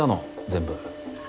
全部。